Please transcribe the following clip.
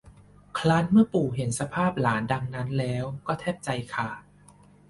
ครั้นเมื่อปู่เห็นสภาพหลานดังนั้นแล้วก็แทบใจขาด